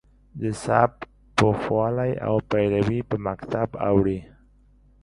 د سبک پوخوالی او پیروي په مکتب اوړي.